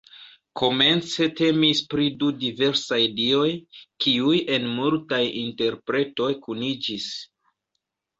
Komence temis pri du diversaj dioj, kiuj en multaj interpretoj kuniĝis.